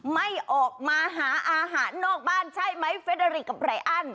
ไม่ออกมาหาอาหารนอกบ้านใช่ไหมเฟดาริกกับไรอัน